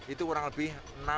itu kurang lebih enam lima